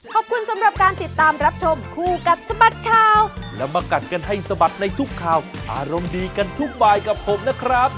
ขอบคุณสำหรับการติดตามรับชมคู่กับสบัดข่าวแล้วมากัดกันให้สะบัดในทุกข่าวอารมณ์ดีกันทุกบายกับผมนะครับ